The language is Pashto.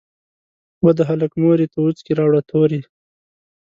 "وه د هلک مورې ته وڅکي راوړه توري".